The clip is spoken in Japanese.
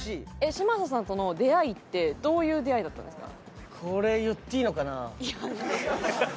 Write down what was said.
嶋佐さんとの出会いってどういう出会いだったんですか？